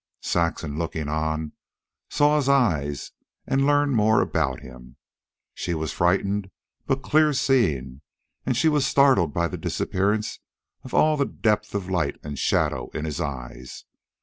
Saxon, looking on, saw his eyes and learned more about him. She was frightened, but clear seeing, and she was startled by the disappearance of all depth of light and shadow in his eyes.